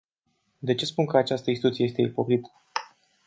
De ce spun că această instituție este ipocrită?